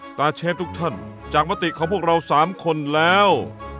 ตาร์เชฟทุกท่านจากมติของพวกเรา๓คนแล้ว